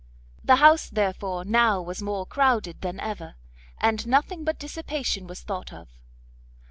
The house therefore now was more crowded than ever, and nothing but dissipation was thought of.